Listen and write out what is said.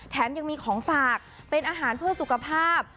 แถมยังมีของฝากเป็นอาหารเพื่อสุขภาพ